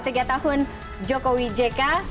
tiga tahun joko widjeka